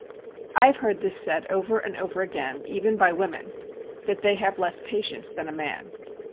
I have heard this said over and over again, even by women, that they have less patience than a man.